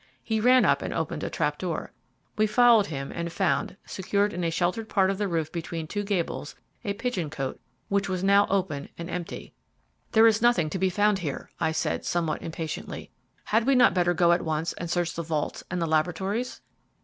He ran up and opened a trap door. We followed him and found, secured in a sheltered part of the roof between two gables, a pigeon cote, which was now open and empty. "There is nothing to be found here," I said, somewhat impatiently. "Had we not better go at once and search the vaults and the laboratories?"